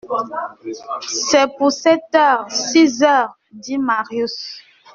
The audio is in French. C'est pour sept heures ? Six heures, dit Marius.